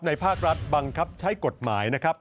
ภาครัฐบังคับใช้กฎหมายนะครับ